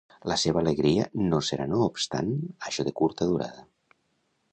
La seva alegria serà no obstant això de curta durada.